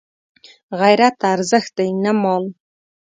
غیرت ارزښت دی نه مال